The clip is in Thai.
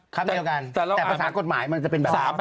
คำเดียวกันแต่ประสาทกฎหมายมันจะเป็นแบบ